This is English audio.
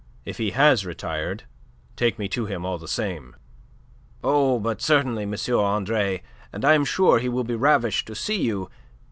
If he has retired, take me to him all the same." "Oh, but certainly, M. Andre and I am sure he will be ravished to see you.